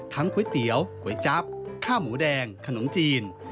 ก๋วยเตี๋ยวก๋วยจั๊บข้าวหมูแดงขนมจีน